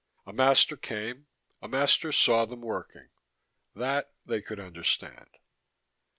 A master came, a master saw them working: that, they could understand.